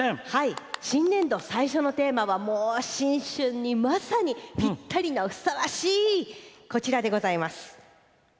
新年度最初のテーマは新春に、まさにぴったりなふさわしいこちらでございます。